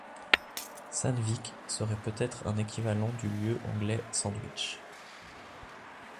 Sanvic serait peut-être un équivalent du lieu anglais Sandwich.